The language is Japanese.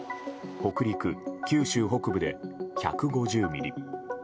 北陸、九州北部で１５０ミリ。